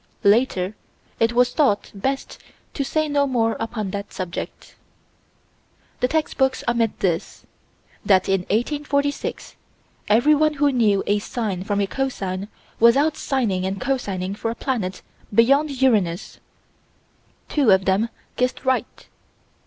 Later it was thought best to say no more upon that subject. The text books omit this: That, in 1846, everyone who knew a sine from a cosine was out sining and cosining for a planet beyond Uranus. Two of them guessed right.